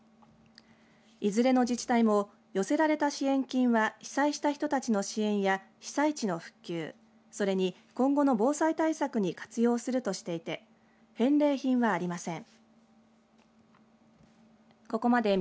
いずれの自治体も寄せられた支援金は被災した人たちの支援や被災地の復旧それに今後の防災対策に活用するとしていて返礼品はありません。